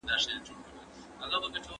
هلکان د موټر د جوړولو چل زده کوي.